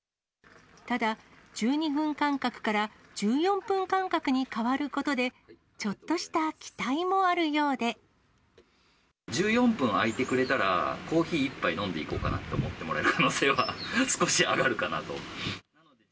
ただ、１２分間隔から１４分間隔に変わることで、ちょっとした期待もあ１４分あいてくれたら、コーヒー１杯飲んでいこうかなと思ってもらえる可能性は少し上がるかなと。